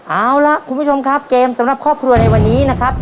เอาล่ะคุณผู้ชมครับเกมสำหรับครอบครัวในวันนี้นะครับ